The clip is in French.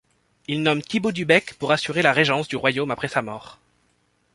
Il nomme Thibaut du Bec pour assurer la régence du royaume après sa mort.